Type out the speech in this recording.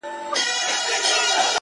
زه مي د ژوند كـتـاب تــه اور اچــــــوم!